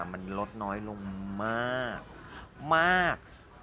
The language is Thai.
มันลดน้อยลงมากมาก